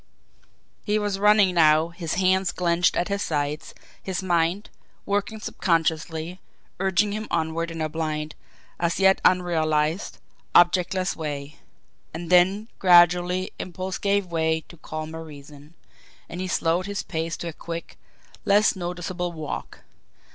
He was running now, his hands clenched at his sides; his mind, working subconsciously, urging him onward in a blind, as yet unrealised, objectless way. And then gradually impulse gave way to calmer reason, and he slowed his pace to a quick, less noticeable walk.